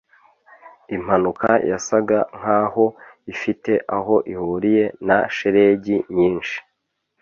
Impanuka yasaga nkaho ifite aho ihuriye na shelegi nyinshi.